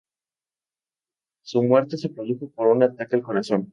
Su muerte se produjo por un ataque al corazón.